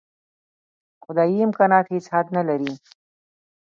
خدايي امکانات هېڅ حد نه لري.